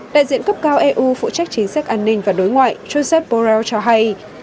đại diện cấp cao eu phụ trách chính sách an ninh và đối ngoại joseph borrell cho hay